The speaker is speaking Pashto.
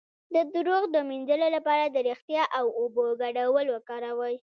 د دروغ د مینځلو لپاره د ریښتیا او اوبو ګډول وکاروئ